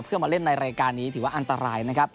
เพื่อมาเล่นในรายการนี้ถือว่าอันตรายนะครับ